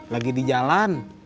lagi di jalan